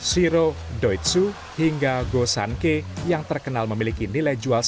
siro doitsu hingga gosanke yang terkenal memiliki nilai jualan